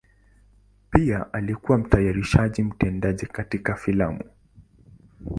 Pia alikuwa mtayarishaji mtendaji katika filamu.